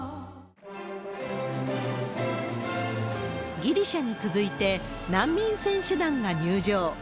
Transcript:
ギリシャに続いて、難民選手団が入場。